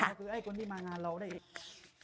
ให้คนที่มางานเราได้เห็น